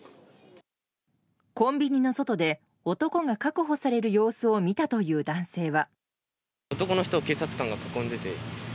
コンビニの外で男が確保される様子を見たという男性は。